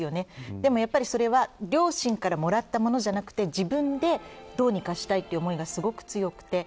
でもやっぱりそれは両親からもらったものじゃなくて自分で、どうにかしたいという思いがすごく強くて。